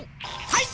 はい！